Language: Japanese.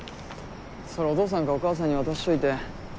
それお父さんかお母さんに渡しといて。